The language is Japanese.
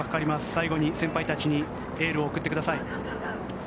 最後に先輩たちにエールを送ってください。